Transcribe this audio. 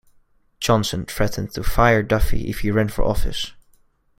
Johnson threatened to fire Duffy if he ran for office.